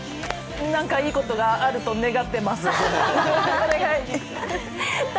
何かいいことがあると願ってます。